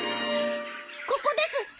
ここです！